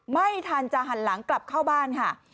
ไม่ทันจะหันหลังกลับเข้าบ้านค่ะ